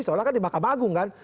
seolah olah kan di makam agung kan